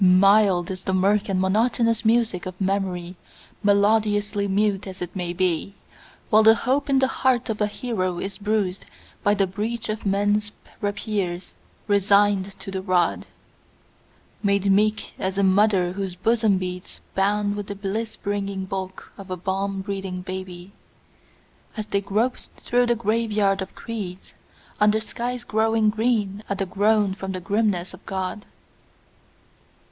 Mild is the mirk and monotonous music of memory, melodiously mute as it may be, While the hope in the heart of a hero is bruised by the breach of men's rapiers, resigned to the rod; Made meek as a mother whose bosom beats bound with the bliss bringing bulk of a balm breathing baby, As they grope through the graveyard of creeds, under skies growing green at a groan for the grimness of God.